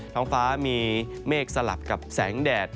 ท้องฟ้ามีเมฆสลับกับแสงแดด